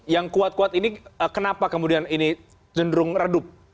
yang kuat kuat ini kenapa kemudian ini cenderung redup